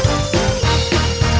ya haikal masuk